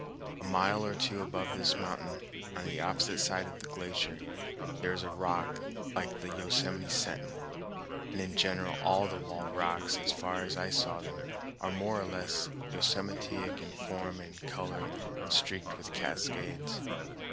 A mile or two above this mountain, on the opposite side of the glacier, there is a rock like the Yosemite Sentinel; and in general all the wall rocks as far as I saw them are more or less yosemitic in form and color and streaked with cascades.